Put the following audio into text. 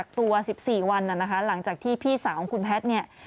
กับตัว๑๔วันหลังจากที่พี่สาวของคุณแพทย์